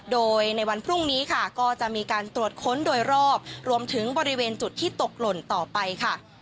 โดยในวันพรุ่งนี้ค่ะก็จะมีการตรวจค้นโดยรอบรวมถึงบริเวณจุดที่ตกหล่นต่อไปค่ะ